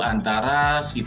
bukan salah satu